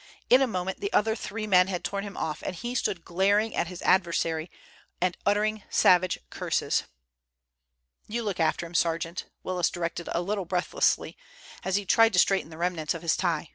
In a moment the three other men had torn him off, and he stood glaring at his adversary, and uttering savage curses. "You look after him, sergeant," Willis directed a little breathlessly, as he tried to straighten the remnants of his tie.